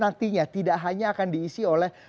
tgupp nantinya tidak hanya akan diisi oleh non pns